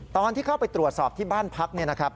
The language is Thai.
ตอนที่เข้าไปตรวจสอบที่บ้านพัก